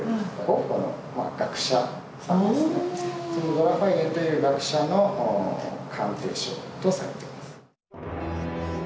ド・ラ・ファイユという学者の鑑定書とされてます。